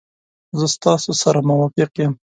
زه ستاسو سره موافق یم.